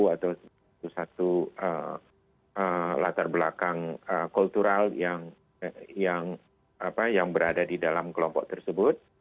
atau satu latar belakang kultural yang berada di dalam kelompok tersebut